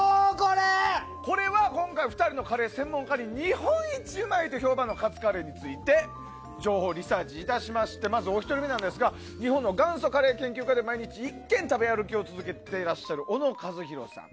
これは今回２人のカレー専門家に日本一うまいと評判のカツカレーについて情報をリサーチ致しましてまず、お一人目なんですが日本の元祖カレー研究家で毎日１軒食べ歩きを続けていらっしゃる小野員裕さん。